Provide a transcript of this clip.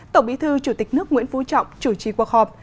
tổng bí thư chủ tịch nước nguyễn phú trọng chủ trì cuộc họp